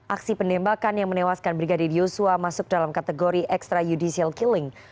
aksi penembakan yang menewaskan brigadir yosua masuk dalam kategori extrajudicial killing